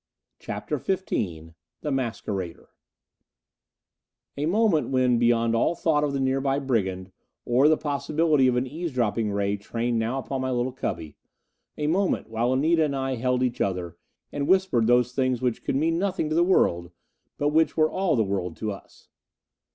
CHAPTER XV The Masquerader A moment when beyond all thought of the nearby brigand or the possibility of an eavesdropping ray trained now upon my little cubby a moment while Anita and I held each other; and whispered those things which could mean nothing to the world, but which were all the world to us.